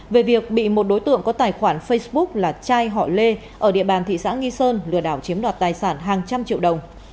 về việc bị một đối tượng có tài khoản facebook là trai họ lê ở địa bàn thị xã nghi sơn lừa đảo chiếm đoạt tài sản hàng trăm triệu đồng